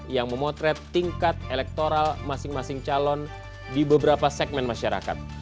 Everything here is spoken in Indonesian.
yang memotret tingkat elektoral masing masing calon di beberapa segmen masyarakat